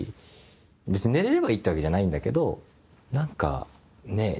別に寝れればいいってわけじゃないんだけど何かね